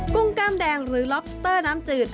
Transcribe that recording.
ุ้งกล้ามแดงหรือล็อบสเตอร์น้ำจืด